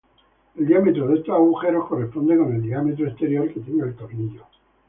El diámetro de estos agujeros corresponde con el diámetro exterior que tenga el tornillo.